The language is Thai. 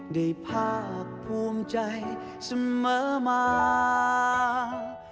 ได้ภาคภูมิใจเสมอมา